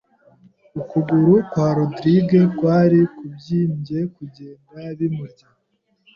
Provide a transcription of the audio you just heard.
ukuguru kwa rodrigue kwari kubyimbye kugenda bimurya